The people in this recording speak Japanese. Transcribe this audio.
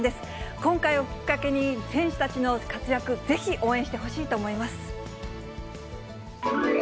今回をきっかけに、選手たちの活躍、ぜひ応援してほしいと思います。